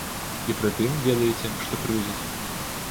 І пры тым, ведаеце, што крыўдзіць?